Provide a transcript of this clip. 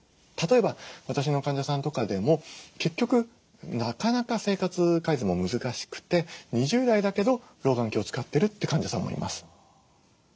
例えば私の患者さんとかでも結局なかなか生活改善も難しくて２０代だけど老眼鏡使ってるって患者さんもいます。